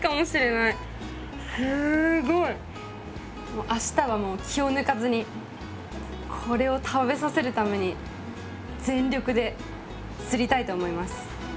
すごい。明日はもう気を抜かずにこれを食べさせるために全力で釣りたいと思います。